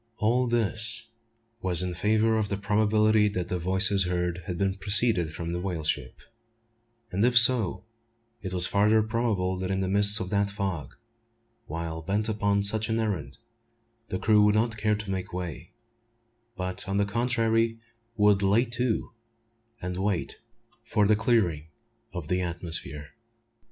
All this was in favour of the probability that the voices heard had proceeded from the whale ship; and if so, it was farther probable that in the midst of that fog, while bent upon such an errand, the crew would not care to make way; but, on the contrary, would "lay to," and wait for the clearing of the atmosphere.